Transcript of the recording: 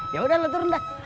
ya udah lo turun dah